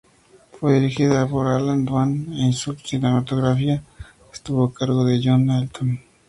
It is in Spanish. Fue dirigida por Allan Dwan, y su cinematografía estuvo a cargo de John Alton.